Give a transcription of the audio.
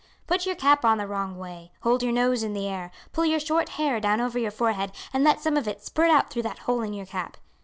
Put your cap on the wrong way; hold your nose in the air; pull your short hair down over your forehead, and let some of it spurt out through that hole in your cap.